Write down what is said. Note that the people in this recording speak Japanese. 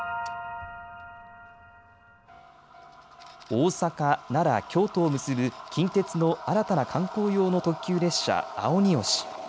大阪、奈良、京都を結ぶ近鉄の新たな観光用の特急列車あをによし。